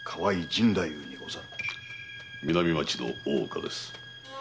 南町の大岡です。